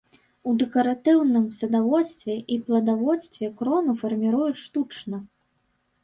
У дэкаратыўным садаводстве і пладаводстве крону фарміруюць штучна.